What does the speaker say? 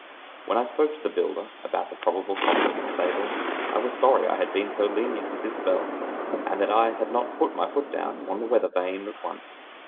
When I spoke to the builder about the probable cost of the stable, I was sorry I had been so lenient with Isobel, and that I had not put my foot down on the weather vane at once.